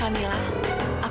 dan ke perjatuhan